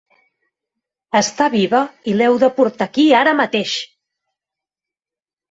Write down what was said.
Està viva i l'heu de portar a aquí ara mateix!